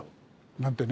なんてね